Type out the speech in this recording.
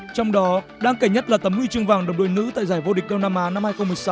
trong đó đáng kể nhất là tấm huy chương vàng đồng đội nữ tại giải vô địch đông nam á năm hai nghìn một mươi sáu